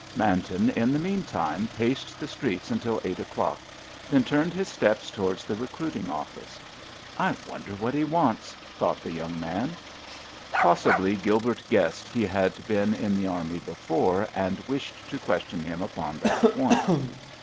Manton in the meantime paced the streets until eight o'clock, then turned his steps towards the recruiting office. "I wonder what he wants," thought the young man. Possibly Gilbert guessed he had been in the army before, and wished to question him upon that point.